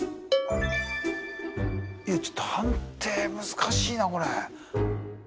ちょっと判定難しいなこれ。